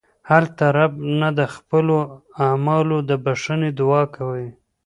هلته رب نه د خپلو اعمالو د بښنې دعا کوئ.